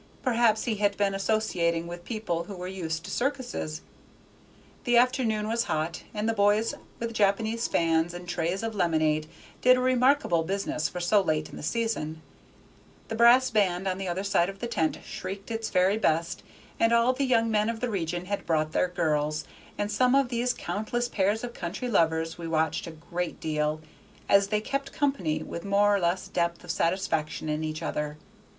Perhaps he had been associating with people who were used to circuses. The afternoon was hot, and the boys with Japanese fans and trays of lemonade did a remarkable business for so late in the season; the brass band on the other side of the tent shrieked its very best, and all the young men of the region had brought their girls, and some of these countless pairs of country lovers we watched a great deal, as they "kept company" with more or less depth of satisfaction in each other.